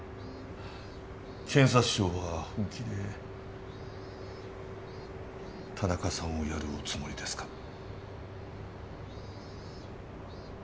検察庁は本気で田中さんをやるおつもりですか？